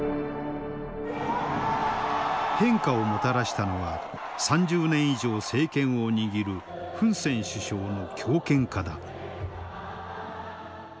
変化をもたらしたのは３０年以上政権を握るフン・セン首相の強権化だ。